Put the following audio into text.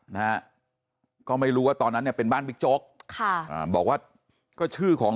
นะก็ไม่รู้ตอนนั้นจะเป็นบ้านบิ๊กโจ๊กบอกว่าก็ชื่อของ